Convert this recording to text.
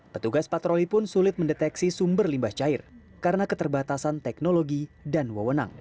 petugas patroli pun sulit mendeteksi sumber limbah cair karena keterbatasan teknologi dan wewenang